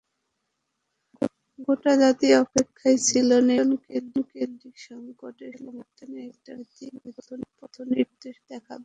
গোটা জাতি অপেক্ষায় ছিল নির্বাচনকেন্দ্রিক সংকটের সমাধানে একটা রাজনৈতিক পথনির্দেশ দেখাবে।